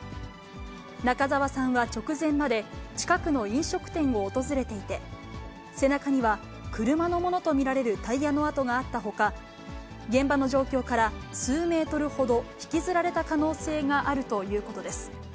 中沢さんは直前まで、近くの飲食店を訪れていて、背中には車のものと見られるタイヤの跡があったほか、現場の状況から、数メートルほど引きずられた可能性があるということです。